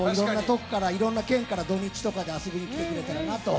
いろんな県から土日とかで遊びに来てくれたらなと。